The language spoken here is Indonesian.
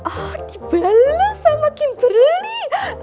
oh dibeles sama kimberly